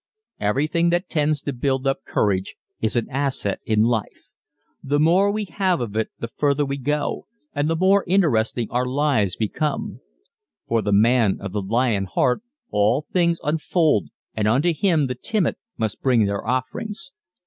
Everything that tends to build up courage is an asset in life. The more we have of it the further we go and the more interesting our lives become. For the man of the lion heart all things unfold and unto him the timid must bring their offerings.